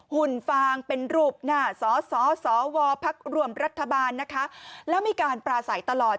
หุ่นฟางเป็นรูปหน้าสสสวภรบแล้วมีการปราศัยตลอด